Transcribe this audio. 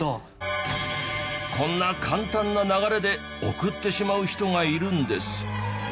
こんな簡単な流れで送ってしまう人がいるんです。